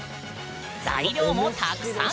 材料もたくさん！